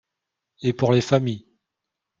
Et pour les familles